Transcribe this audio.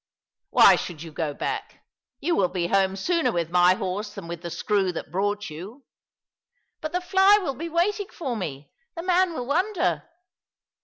" Why should you go back ? You will be homo sooner with my horse than with the screw that brought you." "But the fly will be waiting for me— the man will wonder."